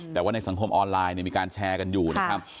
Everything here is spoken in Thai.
แต่ว่าในสังคมออนไลน์มีการแชร์กันอยู่นะครับ